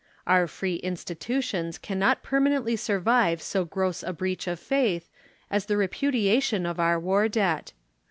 Our free institutions cannot per manently survive so gross a breach of faith, as the repu diation of our war debt.